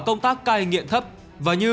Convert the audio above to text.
công tác cai nghiện thấp và như